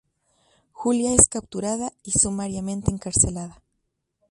Julia es capturada y sumariamente encarcelada.